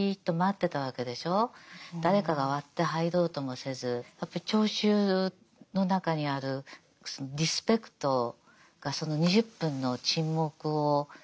誰かが割って入ろうともせずやっぱり聴衆の中にあるリスペクトがその２０分の沈黙を持続させたんですよね。